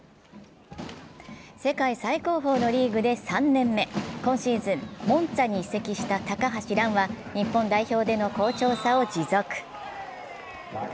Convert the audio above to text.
世界最高峰のリーグで３年目、今シーズン、モンツァに移籍した高橋藍は日本代表での好調さを持続。